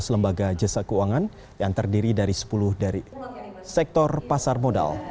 enam belas lembaga jasa keuangan yang terdiri dari sepuluh dari sektor pasar modal